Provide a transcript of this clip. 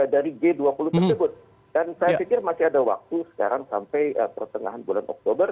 dan saya pikir masih ada waktu sekarang sampai pertengahan bulan oktober